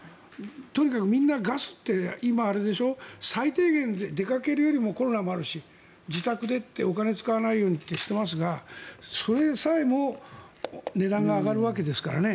とにかくみんなガスって今あれでしょ、最低限出かけるよりもコロナもあるし自宅でお金を使わないようにってしてますがそれさえも値段が上がるわけですからね。